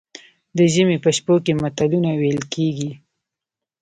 د ژمي په شپو کې متلونه ویل کیږي.